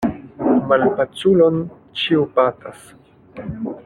Malpaculon ĉiu batas.